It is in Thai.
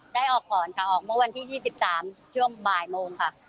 ได้ออกก่อนค่ะออกเมื่อวันที่๒๓ช่วงบ่ายโมงค่ะ